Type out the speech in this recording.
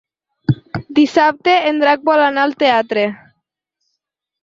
Dissabte en Drac vol anar al teatre.